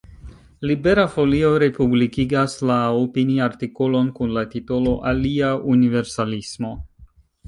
Libera Folio republikigas la opiniartikolon kun la titolo "Alia universalismo".